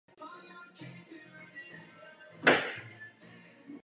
Klenba se však nedochovala.